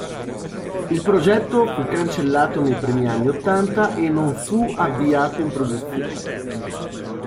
Il progetto fu cancellato nei primi anni ottanta e non fu avviato in produzione.